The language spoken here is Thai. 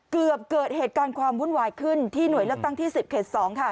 เกิดเหตุการณ์ความวุ่นวายขึ้นที่หน่วยเลือกตั้งที่๑๐เขต๒ค่ะ